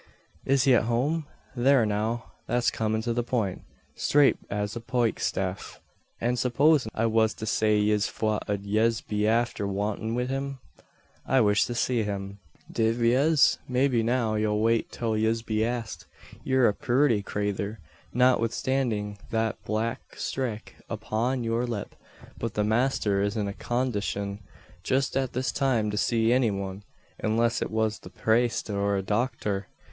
"Is he at home? Thare now, that's comin' to the point straight as a poike staff. An' supposin' I wuz to say yis, fwhat ud yez be afther wantin' wid him?" "I wish to see him." "Div yez? Maybe now ye'll wait till yez be asked. Ye're a purty crayther, notwithstandin' that black strake upon yer lip. But the masther isn't in a condishun jist at this time to see any wan unless it was the praste or a docthur.